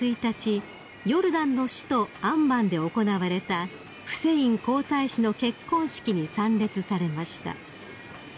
ヨルダンの首都アンマンで行われたフセイン皇太子の結婚式に参列されました］